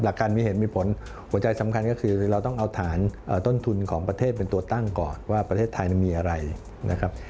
การมีเหตุมีผลหัวใจสำคัญก็คือเราต้องเอาฐานต้นทุนของประเทศเป็นตัวตั้งก่อนว่าประเทศไทยมีอะไรนะครับ